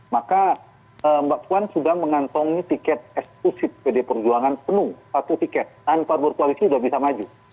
maka mbak puan sudah mengantongi tiket eksklusif pd perjuangan penuh satu tiket tanpa berkoalisi sudah bisa maju